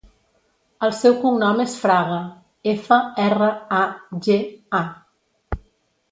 El seu cognom és Fraga: efa, erra, a, ge, a.